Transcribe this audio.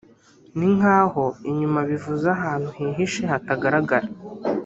ni nkaho inyuma bivuze ahantu hihishe hatagaragara